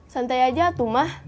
santai aja tuh mah